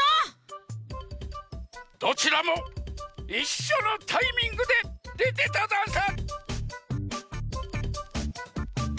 どちらもいっしょのタイミングででてたざんす！